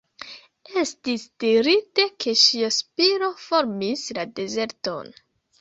Estis dirite ke ŝia spiro formis la dezerton.